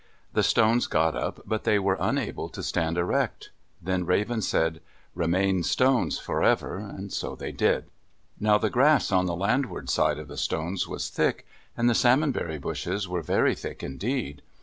The stones got up, but they were unable to stand erect. Then Raven said, "Remain stones forever!" so they did. Now the grass on the landward side of the stones was thick, and the salmon berry bushes were very thick indeed.